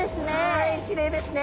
はいきれいですね